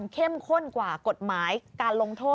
เข้มข้นกว่ากฎหมายการลงโทษ